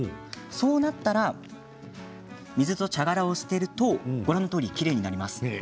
そうなったら水と茶殻を捨てるとご覧のとおりきれいになります。